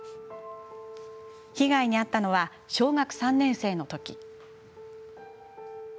被害に遭ったのは小学３年生のとき。